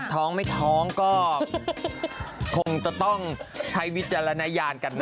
ท้องไม่ท้องก็คงจะต้องใช้วิจารณญาณกันนะ